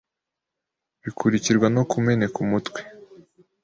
Bikurikirwa no kumeneka umutwe,